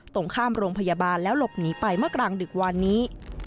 ตรงข้ามโรงพยาบาลแล้วหลบหนีไปเมื่อกลางดึกวานนี้